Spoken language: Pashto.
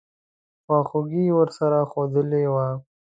خواخوږي ورسره ښودلې وه.